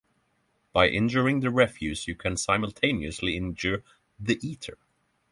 By injuring the refuse you can simultaneously injure the eater.